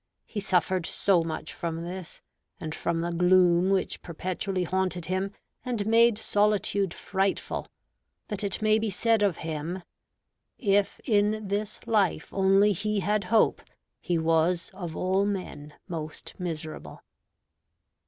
He suffered so much from this, and from the gloom which perpetually haunted him and made solitude frightful, that it may be said of him, "If in this life only he had hope, he was of all men most miserable."